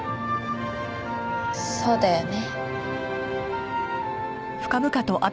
そうだよね。